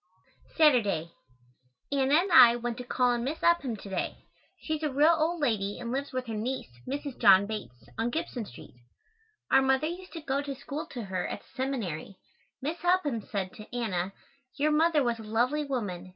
Saturday. Anna and I went to call on Miss Upham to day. She is a real old lady and lives with her niece, Mrs. John Bates, on Gibson Street. Our mother used to go to school to her at the Seminary. Miss Upham said to Anna, "Your mother was a lovely woman.